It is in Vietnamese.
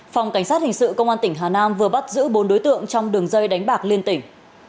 phòng cảnh sát hình sự công an tỉnh hà nam vừa bắt giữ bốn đối tượng trong đường dây đánh bạc liên tỉnh